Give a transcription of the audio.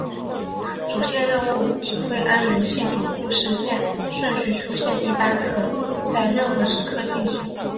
主线任务只会按游戏主故事线顺序出现一般可在任何时刻进行。